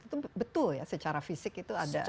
itu betul ya secara fisik itu ada